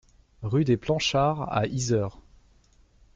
Rue des Planchards à Yzeure